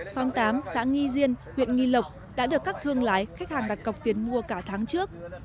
xóm tám xã nghi diên huyện nghi lộc đã được các thương lái khách hàng đặt cọc tiền mua cả tháng trước